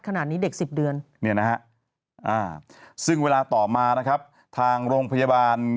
เด็ก๑๐เดือนเนี่ยนะฮะซึ่งเวลาต่อมานะครับทางโรงพยาบาล